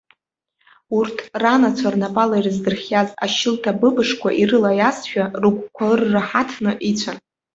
Урҭ, ранацәа рнапала ирыздырхиаз ашьылҭа-быбышқәа ирылаиазшәа, рыгәқәа ырраҳаҭны ицәан.